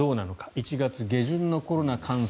１月下旬のコロナ感染